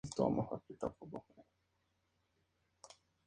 Se cobra entrada al jardín botánico y tarifa de fotografías.